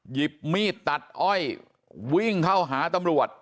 หยิบมีดตัดอ้อยวิ่งเข้าหาตำรวจ